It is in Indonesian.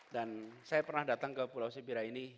dan saya pernah datang ke pulau sebirah ini